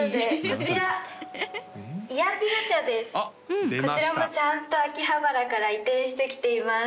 こちらもちゃんと秋葉原から移転してきています